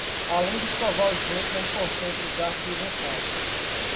Além de escovar os dentes, é importante usar fio dental.